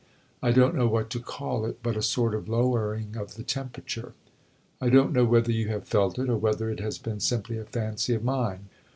I don't know what to call it but a sort of lowering of the temperature. I don't know whether you have felt it, or whether it has been simply a fancy of mine.